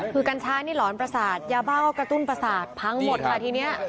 คือกัญชานี่หลอนประสาทยาบ้าก็กระตุ้นประสาทพังหมดค่ะทีนี้